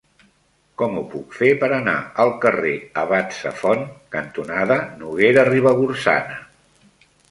Com ho puc fer per anar al carrer Abat Safont cantonada Noguera Ribagorçana?